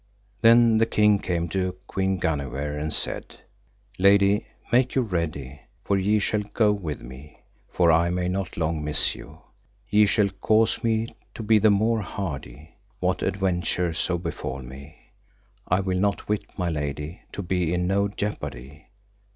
Then the king came to Queen Guenever, and said, Lady, make you ready, for ye shall go with me, for I may not long miss you; ye shall cause me to be the more hardy, what adventure so befall me; I will not wit my lady to be in no jeopardy.